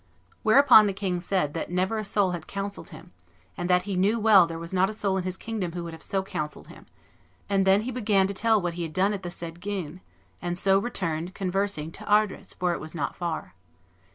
Whereupon the king said that never a soul had counselled him, and that he knew well that there was not a soul in his kingdom who would have so counselled him; and then he began to tell what he had done at the said Guines, and so returned, conversing, to Ardres, for it was not far."